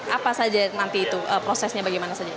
apa saja nanti itu prosesnya bagaimana saja